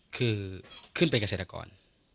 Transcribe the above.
คือขึ้นเป็นเกษตรกร